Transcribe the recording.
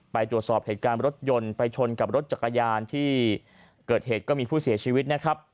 ไปตรวจสอบเหตุการณ์รถยนต์ไปชนกับรถจักรยานที่เกิดเหตุก็มีผู้เสียชีวิตนะครับ